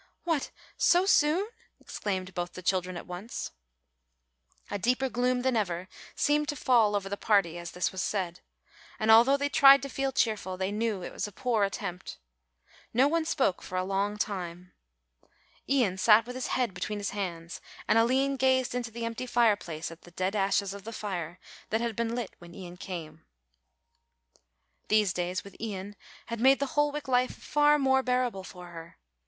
"What, so soon?" exclaimed both the children at once. A deeper gloom than ever seemed to fall over the party as this was said, and although they tried to feel cheerful, they knew it was a poor attempt. No one spoke for a long time. Ian sat with his head between his hands and Aline gazed into the empty fireplace at the dead ashes of the fire that had been lit when Ian came. These days with Ian had made the Holwick life far more bearable for her.